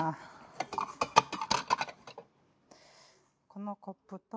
このコップと。